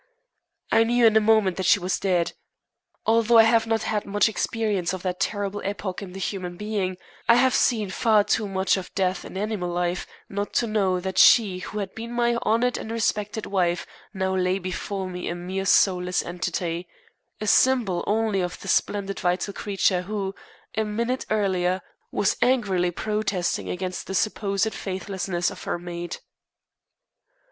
I knew in a moment that she was dead. Although I have not had much experience of that terrible epoch in the human being, I have seen far too much of death in animal life not to know that she who had been my honored and respected wife now lay before me a mere soulless entity a symbol only of the splendid vital creature who, a minute earlier, was angrily protesting against the supposed faithlessness of her mate.